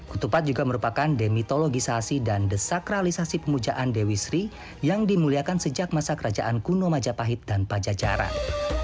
ketupat juga merupakan demitologisasi dan desakralisasi pemujaan dewi sri yang dimuliakan sejak masa kerajaan kuno majapahit dan pajajaran